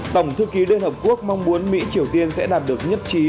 tổng thư ký liên hợp quốc mong muốn mỹ triều tiên sẽ đạt được nhất trí